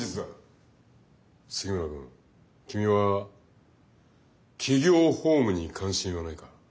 杉村君君は企業法務に関心はないか？